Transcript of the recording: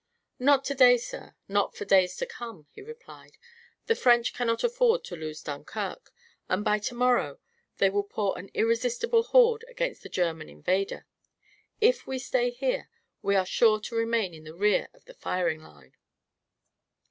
"Not to day, sir; not for days to come," he replied. "The French cannot afford to lose Dunkirk, and by to morrow they will pour an irresistible horde against the German invader. If we stay here, we are sure to remain in the rear of the firing line."